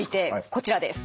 こちらです。